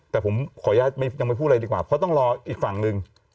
แต่ผมขออนุญาตยังไม่พูดอะไรดีกว่าเพราะต้องรออีกฝั่งหนึ่ง